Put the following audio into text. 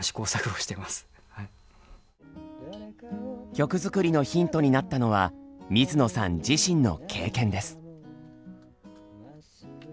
曲作りのヒントになったのは水野さん自身の経験です。